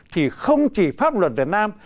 thì không chỉ pháp luật việt nam